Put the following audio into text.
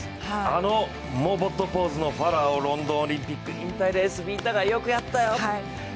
あのモボットポーズのファラーを、ロンドンオリンピック引退レースみんながよくやったよ